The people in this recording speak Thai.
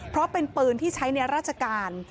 เพราะเป็นปืนที่ใช้ในราชการ